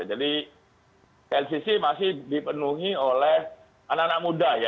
jadi klcc masih dipenuhi oleh anak anak muda ya